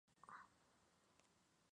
Su capital es Hyderabad.